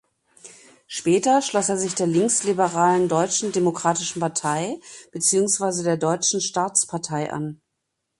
Später schloss er sich der linksliberalen Deutschen Demokratischen Partei beziehungsweise der Deutschen Staatspartei an.